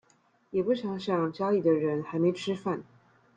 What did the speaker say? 也不想想家裡的人還沒吃飯